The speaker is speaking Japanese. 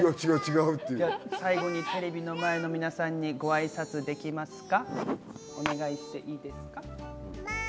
最後にテレビの前の皆さんにご挨拶できますか？